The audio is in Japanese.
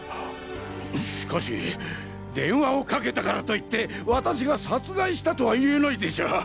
しかし電話をかけたからといって私が殺害したとは言えないでしょう。